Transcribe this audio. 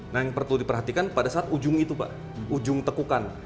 nah yang perlu diperhatikan pada saat ujung itu pak ujung tekukan